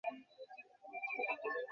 ঠিক আছে, আংকেল।